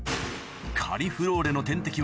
カリフローレの天敵